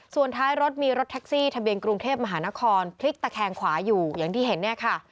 ส่วนท้ายรถมีรถแท็กซี่ทะเบียนกรุงเทพมหานครพลิกตะแคงขวาอยู่อย่างที่เห็นเนี่ยค่ะ